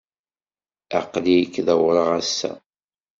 Aql-ik d awraɣ ass-a.